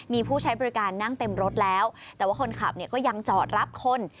มีผู้ใช้บริการนั่งเต็มรถแล้วแต่ว่าคนขับเนี่ยก็ยังจอดรับคน